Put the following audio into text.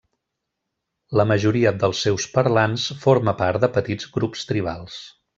La majoria dels seus parlants forma part de petits grups tribals.